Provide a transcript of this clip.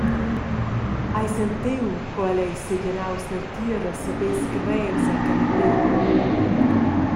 Hai sentiu co el ei segenaus neutier e sebess grevs el canapè.